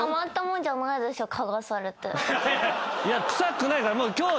いや臭くないから。